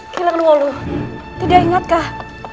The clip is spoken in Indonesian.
kilangan wulu tidak ingatkah